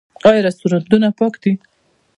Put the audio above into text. آیا رستورانتونه پاک دي؟